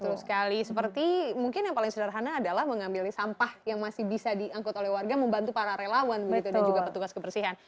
betul sekali seperti mungkin yang paling sederhana adalah mengambil sampah yang masih bisa diangkut oleh warga membantu para relawan dan juga petugas kebersihan